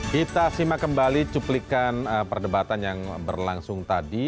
kita simak kembali cuplikan perdebatan yang berlangsung tadi